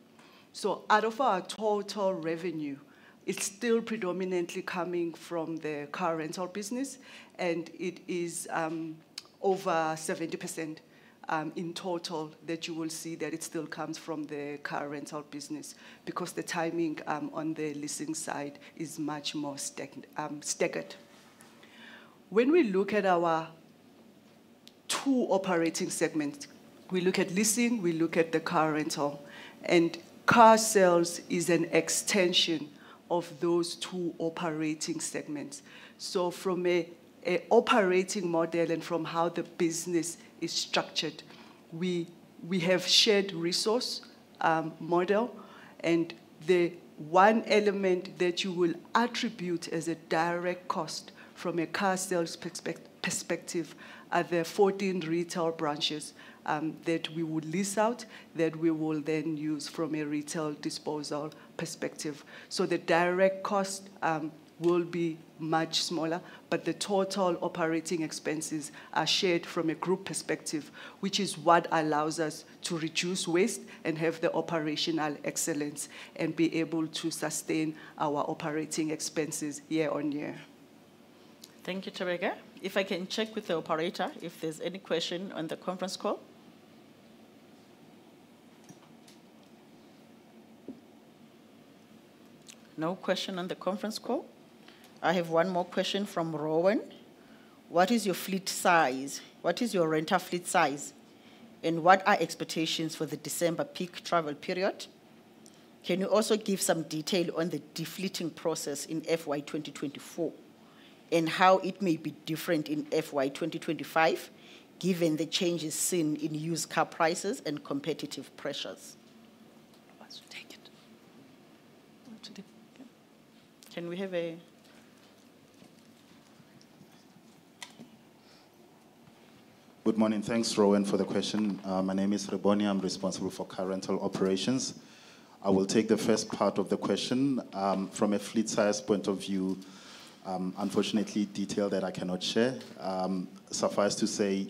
Out of our total revenue, it's still predominantly coming from the car rental business, and it is over 70% in total that you will see that it still comes from the car rental business because the timing on the leasing side is much more staggered. When we look at our two operating segments, we look at leasing, we look at the car rental, and car sales is an extension of those two operating segments. From an operating model and from how the business is structured, we have shared resource model, and the one element that you will attribute as a direct cost from a car sales perspective are the 14 retail branches that we would lease out that we will then use from a retail disposal perspective. The direct cost will be much smaller, but the total operating expenses are shared from a group perspective, which is what allows us to reduce waste and have the operational excellence and be able to sustain our operating expenses year on year. Thank you, Thobeka. If I can check with the operator if there's any question on the conference call. No question on the conference call. I have one more question from Rowan. What is your fleet size? What is your rental fleet size? And what are expectations for the December peak travel period? Can you also give some detail on the deflating process in FY 2024 and how it may be different in FY 2025 given the changes seen in used car prices and competitive pressures? Can we have a? Good morning. Thanks, Rowan, for the question. My name is Rebone. I'm responsible for car rental operations. I will take the first part of the question. From a fleet size point of view, unfortunately, detail that I cannot share. Suffice to say,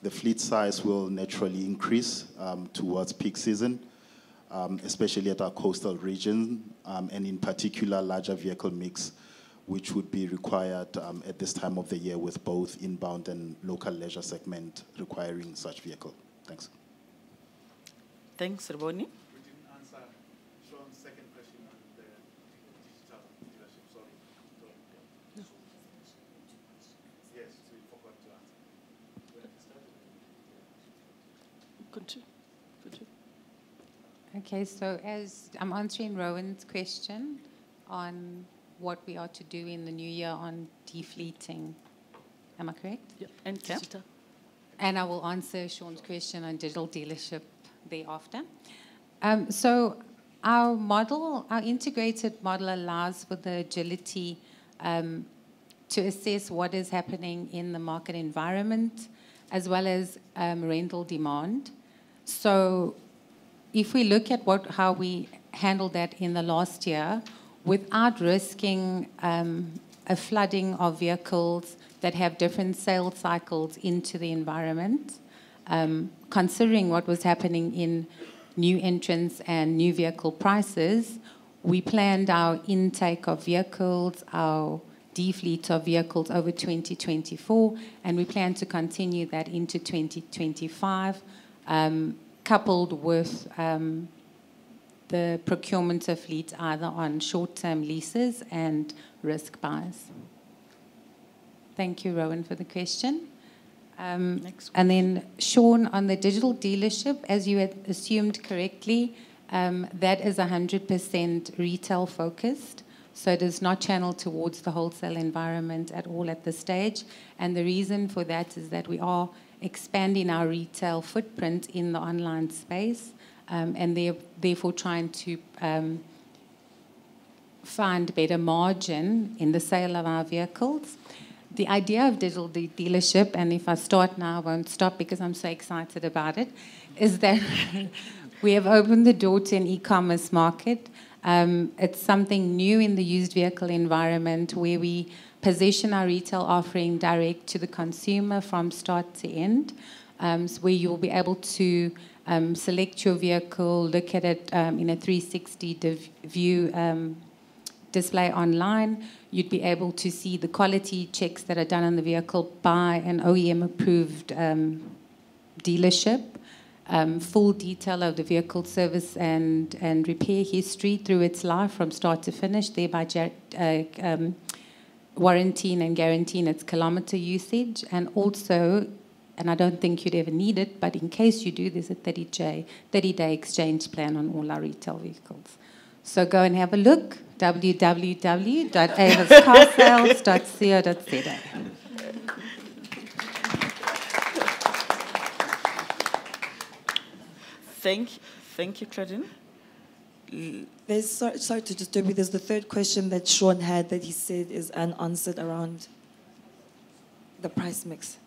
the fleet size will naturally increase towards peak season, especially at our coastal region and in particular, larger vehicle mix, which would be required at this time of the year with both inbound and local leisure segment requiring such vehicle. Thanks. Thanks, Rebone. We didn't answer Shaun Chauke's second question on the digital dealership. Sorry. Yes. So we forgot to answer. Okay, so as I'm answering Rowan's question on what we are to do in the new year on deflating, am I correct? Yeah. And I will answer Shaun Chauke's question on digital dealership thereafter. Our model, our integrated model allows for the agility to assess what is happening in the market environment as well as rental demand. So if we look at how we handled that in the last year without risking a flooding of vehicles that have different sales cycles into the environment, considering what was happening in new entrants and new vehicle prices, we planned our intake of vehicles, our deflate of vehicles over 2024, and we plan to continue that into 2025, coupled with the procurement of fleet either on short-term leases and risk buys. Thank you, Rowan, for the question. And then Shaun, on the Digital Dealership, as you had assumed correctly, that is 100% retail-focused. So it is not channeled towards the wholesale environment at all at this stage. And the reason for that is that we are expanding our retail footprint in the online space and therefore trying to find better margin in the sale of our vehicles. The idea of Digital Dealership, and if I start now, I won't stop because I'm so excited about it, is that we have opened the door to an e-commerce market. It's something new in the used vehicle environment where we position our retail offering direct to the consumer from start to end, where you'll be able to select your vehicle, look at it in a 360-degree view display online. You'd be able to see the quality checks that are done on the vehicle by an OEM-approved dealership, full detail of the vehicle service and repair history through its life from start to finish, thereby warranting and guaranteeing its kilometer usage. And also, and I don't think you'd ever need it, but in case you do, there's a 30-day exchange plan on all our retail vehicles. So go and have a look. www.aviscarsales.co.za. Thank you, Claudine. Sorry to disturb you. There's the third question that Shaun had that he said is unanswered around the price mix.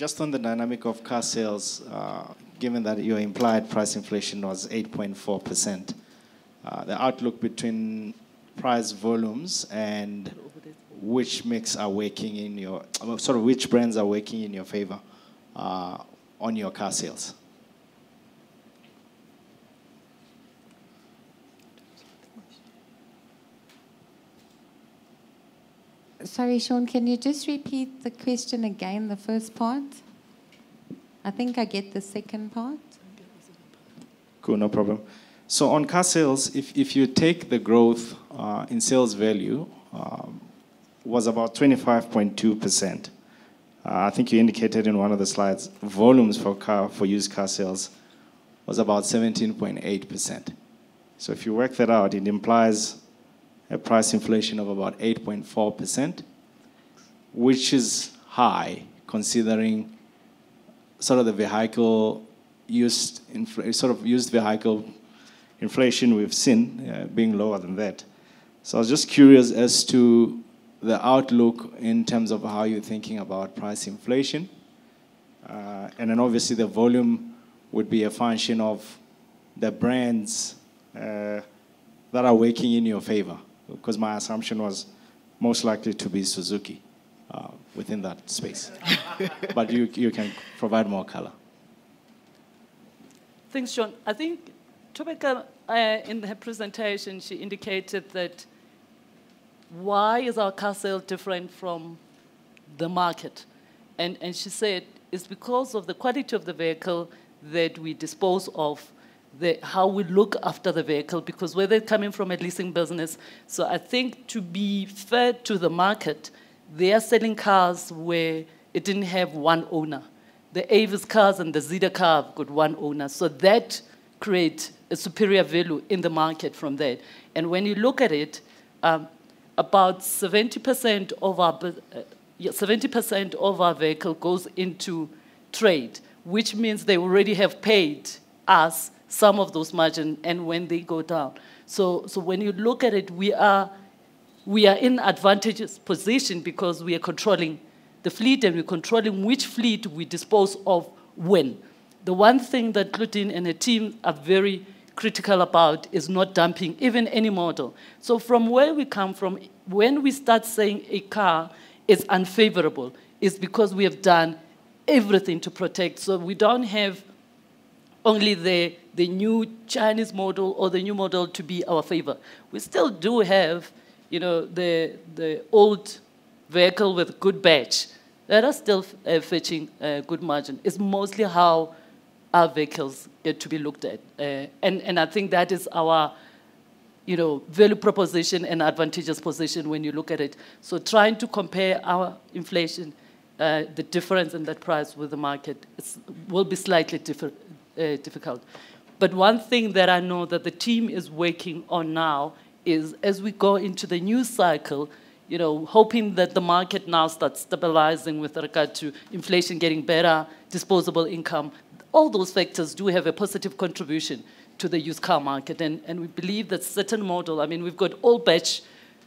Just on the dynamic of car sales, given that your implied price inflation was 8.4%, the outlook between price volumes and which mix are working in your, sort of which brands are working in your favor on your car sales? Sorry, Shaun, can you just repeat the question again, the first part? I think I get the second part. Cool, no problem. So on car sales, if you take the growth in sales value, it was about 25.2%. I think you indicated in one of the slides volumes for used car sales was about 17.8%. So if you work that out, it implies a price inflation of about 8.4%, which is high considering sort of the vehicle used, sort of used vehicle inflation we've seen being lower than that. I was just curious as to the outlook in terms of how you are thinking about price inflation. And then obviously the volume would be a function of the brands that are working in your favor because my assumption was most likely to be Suzuki within that space. But you can provide more color. Thanks, Shaun. I think Thobeka in her presentation, she indicated that why is our car sale different from the market? And she said it is because of the quality of the vehicle that we dispose of, how we look after the vehicle because whether it is coming from a leasing business. So I think to be fair to the market, they are selling cars where it did not have one owner. The Avis cars and the Zeda car have got one owner. So that creates a superior value in the market from that. When you look at it, about 70% of our vehicle goes into trade, which means they already have paid us some of those margins and when they go down. When you look at it, we are in an advantageous position because we are controlling the fleet and we're controlling which fleet we dispose of when. The one thing that Claudine and her team are very critical about is not dumping even any model. From where we come from, when we start saying a car is unfavorable, it's because we have done everything to protect. We don't have only the new Chinese model or the new model to be our favor. We still do have the old vehicle with good badge that are still fetching good margin. It's mostly how our vehicles get to be looked at. I think that is our value proposition and advantageous position when you look at it. Trying to compare our inflation, the difference in that price with the market will be slightly difficult. One thing that I know that the team is working on now is as we go into the new cycle, hoping that the market now starts stabilizing with regard to inflation getting better, disposable income, all those factors do have a positive contribution to the used car market. We believe that certain model, I mean, we've got old badge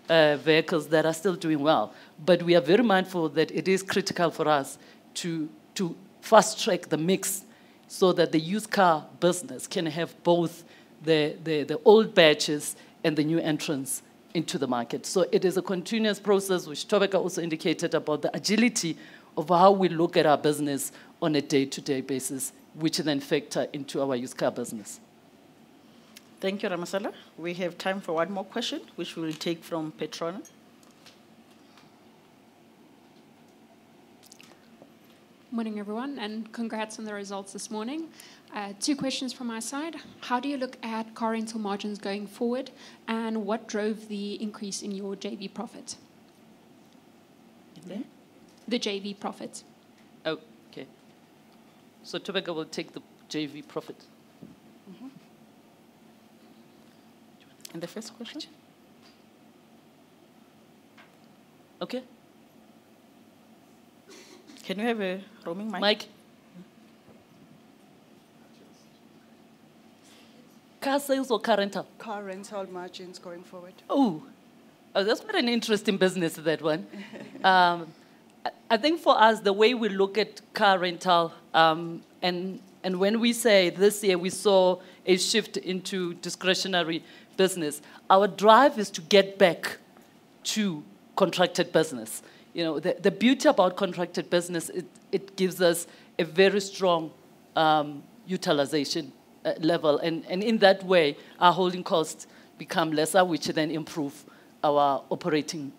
vehicles that are still doing well, but we are very mindful that it is critical for us to fast track the mix so that the used car business can have both the old badges and the new entrants into the market. It is a continuous process, which Thobeka also indicated about the agility of how we look at our business on a day-to-day basis, which then factor into our used car business. Thank you, Ramasela. We have time for one more question, which we will take from Petronella. Morning, everyone, and congrats on the results this morning. Two questions from my side. How do you look at car rental margins going forward and what drove the increase in your JV profit? The JV profits. Okay. So Thobeka will take the JV profit. And the first question. Okay. Can we have a roaming mic? Car sales or car rental? Car rental margins going forward. Oh, that's quite an interesting business, that one. I think for us, the way we look at car rental, and when we say this year we saw a shift into discretionary business, our drive is to get back to contracted business. The beauty about contracted business, it gives us a very strong utilization level. And in that way, our holding costs become lesser, which then improves our operating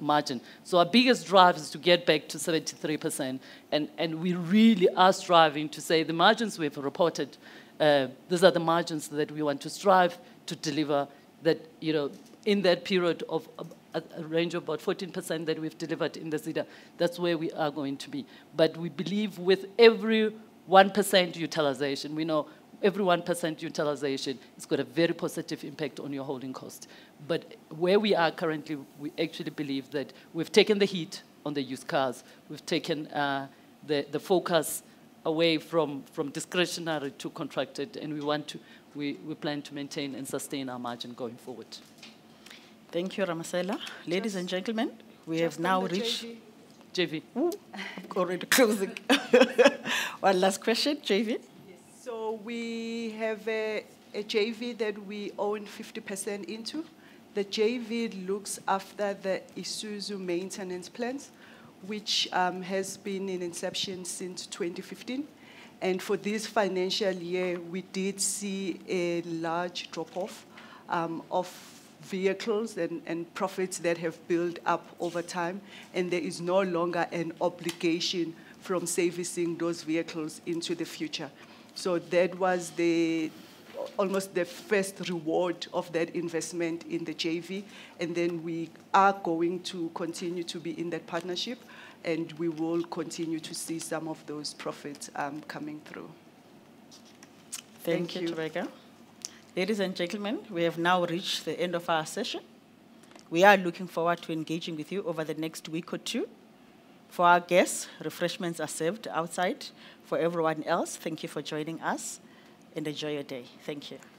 margin. So our biggest drive is to get back to 73%. And we really are striving to say the margins we've reported, these are the margins that we want to strive to deliver in that period of a range of about 14% that we've delivered in the Zeda. That's where we are going to be. But we believe with every 1% utilization, we know every 1% utilization has got a very positive impact on your holding cost. But where we are currently, we actually believe that we've taken the heat on the used cars. We've taken the focus away from discretionary to contracted, and we plan to maintain and sustain our margin going forward. Thank you, Ramasela. Ladies and gentlemen, we have now reached JV. One last question, JV. So we have a JV that we own 50% into. The JV looks after the Isuzu maintenance plans, which has been in inception since 2015. And for this financial year, we did see a large drop-off of vehicles and profits that have built up over time. And there is no longer an obligation from servicing those vehicles into the future. So that was almost the first reward of that investment in the JV. And then we are going to continue to be in that partnership, and we will continue to see some of those profits coming through. Thank you, Thobeka. Ladies and gentlemen, we have now reached the end of our session. We are looking forward to engaging with you over the next week or two. For our guests, refreshments are served outside. For everyone else, thank you for joining us and enjoy your day. Thank you.